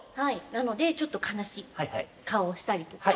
なので悲しい顔をしたりとか。